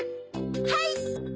はい！